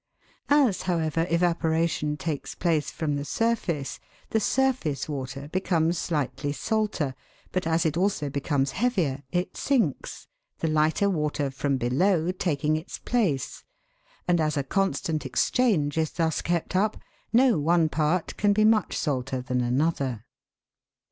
As, however, evaporation takes place from the surface, the surface water becomes slightly salter, but as it also be comes heavier, it sinks, the lighter water from below taking its place, and as a constant exchange is thus kept up, no one part can be much salter than another.